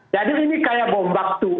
jadi ini kayak bomba tuh